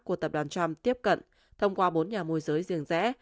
của tập đoàn trump tiếp cận thông qua bốn nhà môi giới riêng rẽ